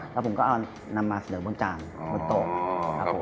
แล้วผมก็เอานำมาเสริมบนจานบนโต๊ะ